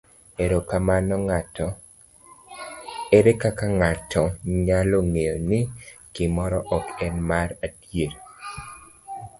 Ere kaka ng'ato nyalo ng'eyo ni gimoro ok en mar adier?